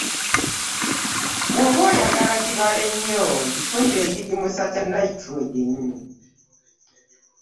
Bw’oba oyagala gibale nnyo ogifunira ekigimusa kya nayitulojeeni.